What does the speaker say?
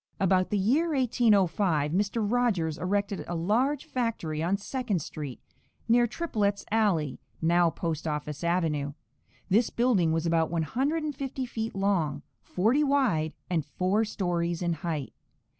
About the year 1805 Mr. Rogers erected a large factory on Second street near Tripolet's alley (now Post Office avenue). This building was about one hundred and fifty feet long, forty wide, and four stories in height.